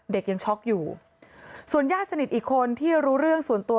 เด็กยังช็อกอยู่ส่วนญาติสนิทอีกคนที่รู้เรื่องส่วนตัว